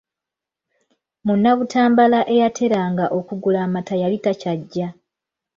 Munabutambala eyateranga okugula amata yali takyajja.